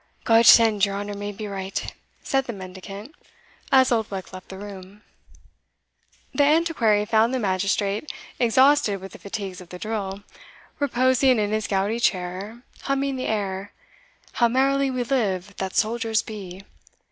"God send your honour may be right!" said the mendicant, as Oldbuck left the room. The Antiquary found the magistrate, exhausted with the fatigues of the drill, reposing in his gouty chair, humming the air, "How merrily we live that soldiers be!"